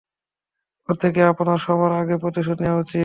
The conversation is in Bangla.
ওর থেকেই আপনার সবার আগে প্রতিশোধ নেওয়া উচিত।